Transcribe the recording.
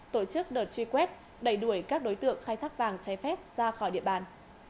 tổ chức đợt truy quét đẩy đuổi các đối tượng khai thác vàng trái phép ra khỏi địa bàn